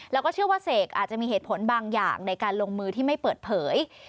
แล้วก็เชื่อว่าเสกอาจจะมีเหตุผลบางอย่างในการลงมือที่ไม่เปิดเผย